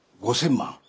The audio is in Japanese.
５，０００万。